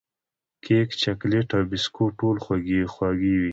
کیک، چاکلېټ او بسکوټ ټول خوږې دي.